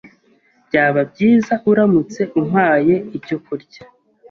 Byaba byiza uramutse umpaye icyo kurya.